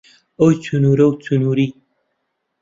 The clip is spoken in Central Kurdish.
ئۆ چنوورە و چنووری